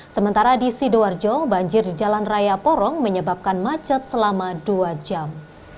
sementara di sidoarjo banjir di jalan raya porong menyebabkan macet selama dua jam